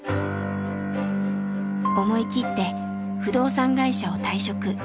思い切って不動産会社を退職。